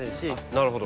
なるほど。